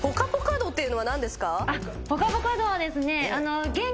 ・ぽかぽか度はですね。